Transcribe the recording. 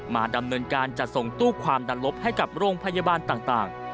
มาดำเนินการจัดส่งตู้ความดันลบให้กับโรงพยาบาลต่าง